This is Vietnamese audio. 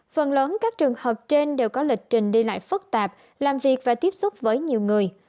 phần lớn các trường hợp trên đều có lịch trình đi lại phức tạp làm việc và tiếp xúc với nhiều người